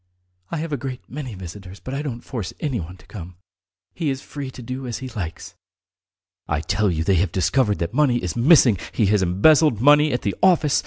I have a great many visitors, but I don't force anyone to come. He is free to do as he likes." "I tell you they have discovered that money is missing! He has embezzled money at the office!